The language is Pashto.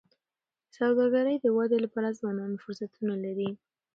د سوداګری د ودي لپاره ځوانان فرصتونه لري.